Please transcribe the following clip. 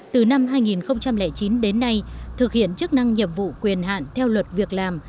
từ năm hai nghìn chín đến nay thực hiện chức năng nhiệm vụ quyền hạn theo luật việc làm